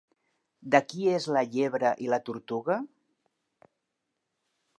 De qui és La llebre i la tortuga?